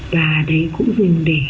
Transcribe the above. và đấy cũng dùng để